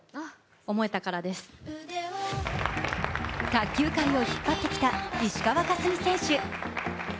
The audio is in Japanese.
卓球界を引っ張ってきた石川佳純さん選手。